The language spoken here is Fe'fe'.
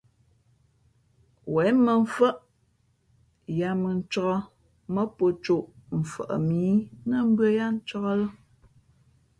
Wěn mᾱmfάʼ yāā mᾱ ncāk mά pō cōʼ mfαʼ mǐ nά mbʉ̄ᾱ yáá ncāk lά.